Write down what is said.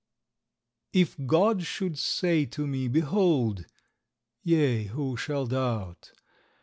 If GOD should say to me, _Behold! Yea, who shall doubt?